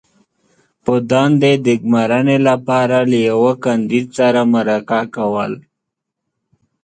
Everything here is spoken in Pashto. -په دندې د ګمارنې لپاره له یوه کاندید سره مرکه کول